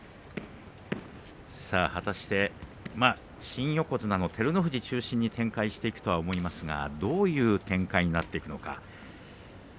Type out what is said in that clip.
果たして新横綱照ノ富士中心に展開していくと思いますがどういう展開になっていくのか。